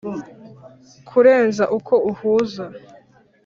kurenza uko uhuza